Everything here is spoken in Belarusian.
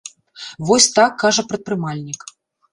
Вось так кажа прадпрымальнік.